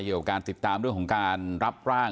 เกี่ยวกับการติดตามเรื่องของการรับร่าง